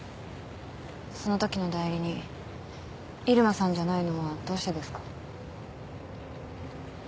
そのときの代理人入間さんじゃないのはどうしてですか。